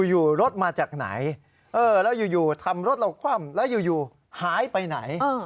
อยู่รถมาจากไหนแล้วอยู่ทำรถเราคว่ำแล้วอยู่หายไปไหน